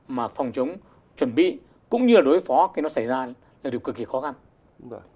mà phòng chống chuẩn bị cũng như là đối phó khi nó xảy ra là điều cực kỳ khó khăn